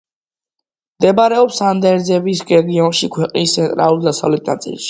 მდებარეობს ანდების რეგიონში, ქვეყნის ცენტრალურ-დასავლეთ ნაწილში.